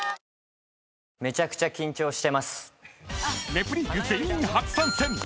［『ネプリーグ』全員初参戦］